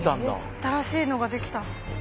新しいのができた。